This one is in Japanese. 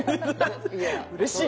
うれしい。